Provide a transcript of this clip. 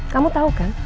kamu tahu kan